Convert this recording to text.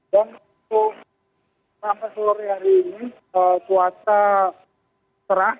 dan untuk sampai sore hari ini cuaca cerah